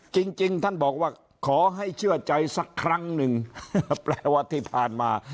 จริงจริงท่านบอกว่าขอให้เชื่อใจสักครั้งหนึ่งแปลว่าที่ผ่านมา